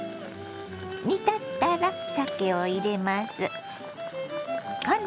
煮立ったらさけを入れます。